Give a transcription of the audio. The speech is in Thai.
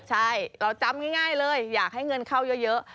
ใช่เราจำง่ายเลยอยากให้เงินเข้าเยอะ